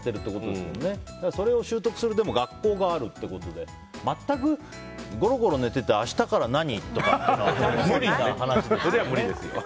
でも、それを習得する学校があるってことで全くゴロゴロ寝ていて明日から何とか無理な話だよね。